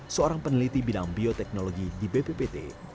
seorang peneliti bidang bioteknologi di bppt